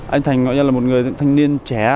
anh thành gọi là một người thanh niên trẻ